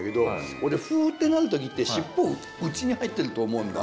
俺フーッてなる時って尻尾内に入ってると思うんだ。